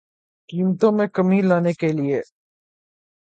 قیمتوں میں کمی لانے کیلئے